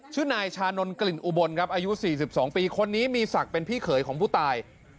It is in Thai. ชื่อนายชานนท์กลิ่นอุบลครับอายุ๔๒ปีคนนี้มีศักดิ์เป็นพี่เขยของผู้ตาย